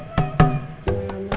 suara apa ya